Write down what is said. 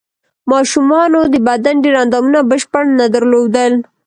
ماشومانو د بدن ډېر اندامونه بشپړ نه درلودل.